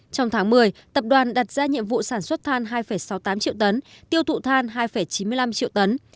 trong tháng một mươi tập đoàn đặt ra nhiệm vụ sản xuất than hai sáu mươi tám triệu tấn tiêu thụ than hai chín mươi năm triệu tấn